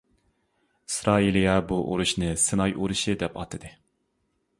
ئىسرائىلىيە بۇ ئۇرۇشنى سىناي ئۇرۇشى دەپ ئاتىدى.